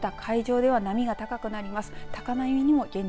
また、海上では波が高くなります。